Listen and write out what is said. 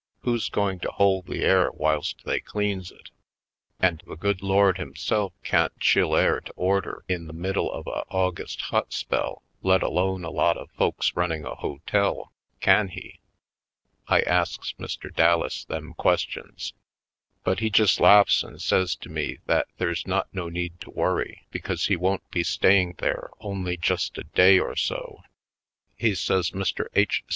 Who's going to hold the air whilst they cleans it? And the Good Lord Him self can't chill air to order in the middle of a August hot spell, let alone a lot of folks running a hotel — can He? I asks Mr. Dal las them questions. But he just laughs and say to me that there's not no need to worry, because he won't be staying there only just a day oi; Manhattan Isle 49 so. He says Mr. H.